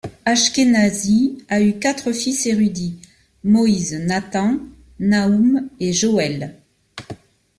Ashkenazi a eu quatre fils érudits, Moïse, Nathan, Nahum et Joel.